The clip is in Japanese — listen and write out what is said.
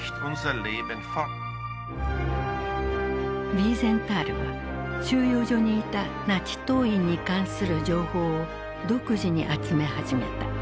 ヴィーゼンタールは収容所にいたナチ党員に関する情報を独自に集め始めた。